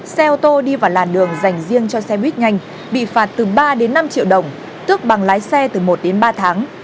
xe ô tô đi vào làn đường dành riêng cho xe buýt nhanh bị phạt từ ba đến năm triệu đồng tước bằng lái xe từ một đến ba tháng